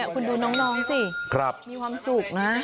คุณดูน้องสิมีความสุขนะ